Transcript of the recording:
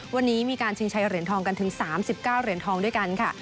วันนี้มีการชิงใช้เหรียญทองกันถึงสามสิบเก้าเหรียญทองด้วยกันค่ะ